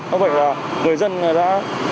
không phải là người dân đã